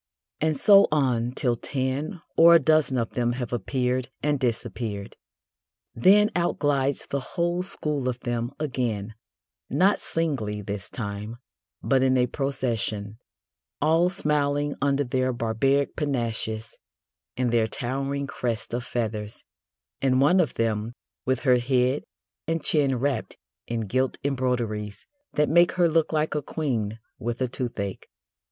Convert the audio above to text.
And so on till ten or a dozen of them have appeared and disappeared. Then out glides the whole school of them again not singly this time, but in a procession, all smiling under their barbaric panaches and their towering crest of feathers, and one of them with her head and chin wrapped in gilt embroideries that make her look like a queen with a toothache.